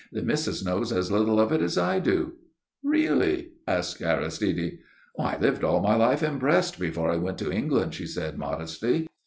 "The missus knows as little of it as I do." "Really?" asked Aristide. "I lived all my life in Brest before I went to England," she said, modestly.